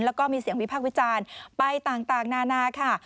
แล้วก็มีเสียงวิพากษ์วิจารณ์ไปต่างนานาค่ะ